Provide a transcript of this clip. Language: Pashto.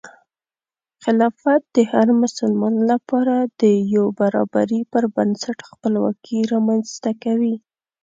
خلافت د هر مسلمان لپاره د یو برابري پر بنسټ خپلواکي رامنځته کوي.